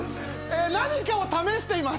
何かを試しています。